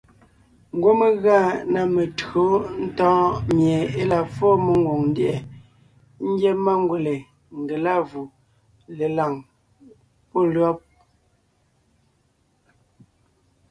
Ngwɔ́ mé gʉa na metÿǒ ntɔ̌ɔn mie e la fóo mengwòŋ ndyɛ̀ʼɛ ngyɛ́ mangwèle, ngelâvù, lelàŋ pɔ́ lÿɔ́b.